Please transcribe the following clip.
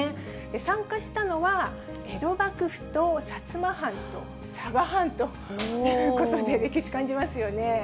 参加したのは、江戸幕府と薩摩藩と佐賀藩ということで、歴史感じますよね。